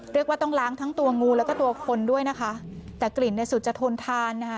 ต้องล้างทั้งตัวงูแล้วก็ตัวคนด้วยนะคะแต่กลิ่นในสุดจะทนทานนะคะ